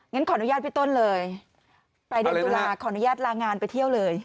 ขออนุญาตพี่ต้นเลยปลายเดือนตุลาขออนุญาตลางานไปเที่ยวเลย